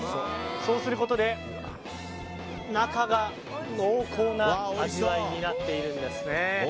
そうすることで中が濃厚な味わいになっているんですね。